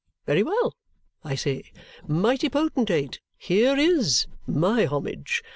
Very well! I say 'Mighty potentate, here IS my homage!